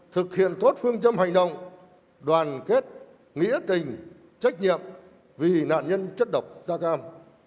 thực hiện tốt phương châm hành động đoàn kết nghĩa tình trách nhiệm vì nạn nhân chất độc da cam